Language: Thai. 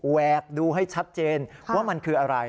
แวกดูให้ชัดเจนว่ามันคืออะไร